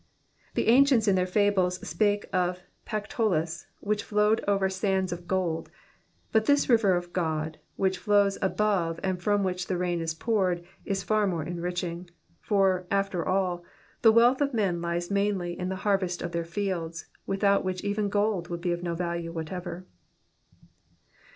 '* The ancients in their fables spake of Pactolus, which flowed over sands of gold ; but this river of God, which flows above and from which the rain is poured, is far more enriching ; for, after all, the wealth of men lies mainly in the harvest of their fields, without which even gold would be of no value whatever.